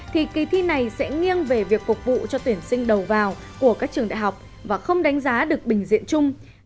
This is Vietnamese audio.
thì kỳ thi này sẽ nghiêng về việc phục vụ cho tuyển sinh đầu vào của các trường đại học và không đánh giá được bình diện chung